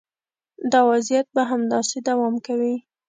دا وضعیت به همداسې دوام کوي.